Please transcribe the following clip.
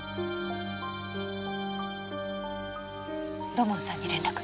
土門さんに連絡。